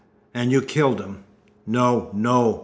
"And you killed him?" "No! No!